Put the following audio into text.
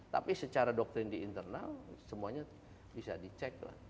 tapi secara doktrin di internal semuanya bisa dicek lah